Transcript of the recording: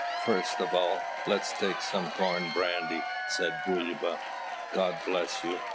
First of all, let's take some corn brandy," said Bulba. "God bless you!